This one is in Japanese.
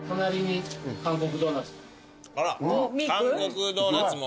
あら韓国ドーナツも。